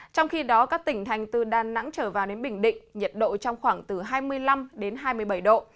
trong khi đó các tỉnh thành từ đà nẵng trở vào đến bình định nhiệt độ trong khoảng từ hai mươi năm hai mươi bảy độ